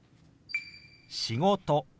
「仕事」。